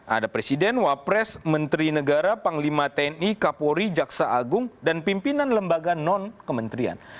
ada presiden wapres menteri negara panglima tni kapolri jaksa agung dan pimpinan lembaga non kementerian